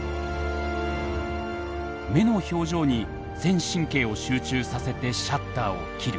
目の表情に全神経を集中させてシャッターを切る。